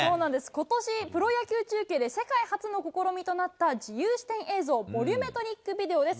ことしプロ野球中継で世界初の試みとなった自由視点映像、ボリュメトリックビデオです。